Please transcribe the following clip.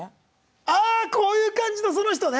あこういう感じのその人ね！